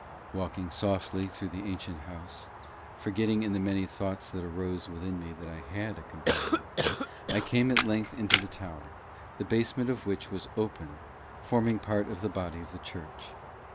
Walking softly through the ancient house, forgetting in the many thoughts that arose within me that I had a companion, I came at length into the tower, the basement of which was open, forming part of the body of the church.